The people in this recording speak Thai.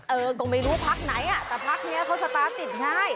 เออก็ไม่รู้พักไหนอ่ะแต่พักนี้เขาสตาร์ทติดง่าย